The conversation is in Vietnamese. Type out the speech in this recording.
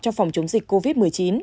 trong phòng chống dịch covid một mươi chín